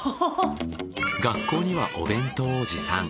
学校にはお弁当を持参。